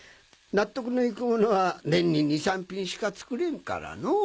納得のゆく物は年に２３品しか造れんからのぅ。